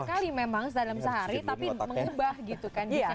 tiga kali memang dalam sehari tapi mengubah gitu kan